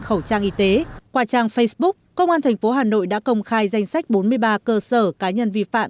khẩu trang y tế qua trang facebook công an tp hà nội đã công khai danh sách bốn mươi ba cơ sở cá nhân vi phạm